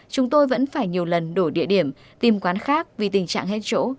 chúng tôi vẫn phải nhiều lần đổi địa điểm tìm quán khác vì tình trạng hết chỗ